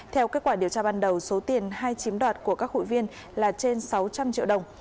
theo kết quả điều tra ban đầu số tiền hai chiếm đoạt của các hụi viên là trên sáu trăm linh triệu đồng